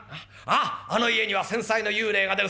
『あの家には先妻の幽霊が出る。